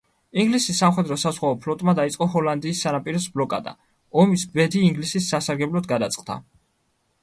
ინგლისის სამხედრო-საზღვაო ფლოტმა დაიწყო ჰოლანდიის სანაპიროს ბლოკადა, ომის ბედი ინგლისის სასარგებლოდ გადაწყდა.